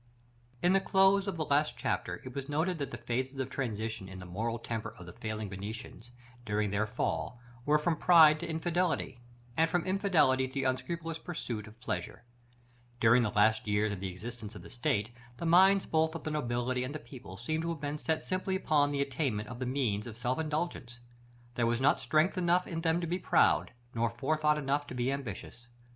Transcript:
In the close of the last chapter it was noted that the phases of transition in the moral temper of the falling Venetians, during their fall, were from pride to infidelity, and from infidelity to the unscrupulous pursuit of pleasure. During the last years of the existence of the state, the minds both of the nobility and the people seem to have been set simply upon the attainment of the means of self indulgence. There was not strength enough in them to be proud, nor forethought enough to be ambitious.